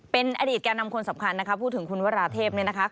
เป็นอดีตแก่นำคนสำคัญนะคะพูดถึงคุณวราเทพเนี่ยนะคะ